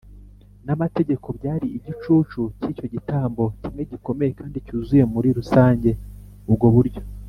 N amategeko byari igicucu cy icyo gitambo kimwe gikomeye kandi cyuzuye muri rusange ubwo buryo